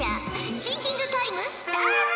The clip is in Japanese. シンキングタイムスタート！